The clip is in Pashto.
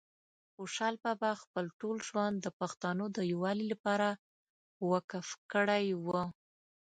خوشحال بابا خپل ټول ژوند د پښتنو د یووالي لپاره وقف کړی وه